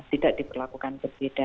tidak diperlakukan berbeda